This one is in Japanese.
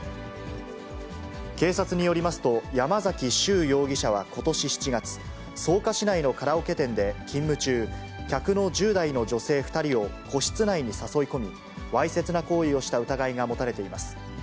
警察によりますと、山崎秀容疑者はことし７月、草加市内のカラオケ店で、勤務中、客の１０代の女性２人を個室内に誘い込み、わいせつな行為をした疑いが持たれています。